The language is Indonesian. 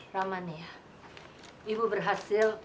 ramania ibu berhasil